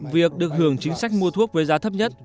việc được hưởng chính sách mua thuốc với giá thấp nhất